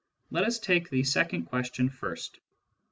Let us take the second question first.